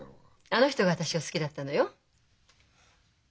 あの人が私を好きだったのよ。